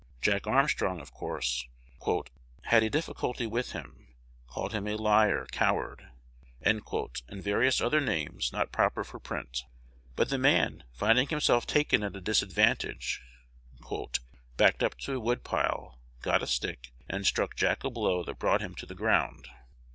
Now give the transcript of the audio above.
Jack Armstrong, of course, "had a difficulty with him;" "called him a liar, coward," and various other names not proper for print; but the man, finding himself taken at a disadvantage, "backed up to a woodpile," got a stick, and "struck Jack a blow that brought him to the ground."